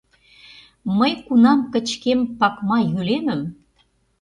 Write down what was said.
— Мый кунам кычкем пакма йӱлемым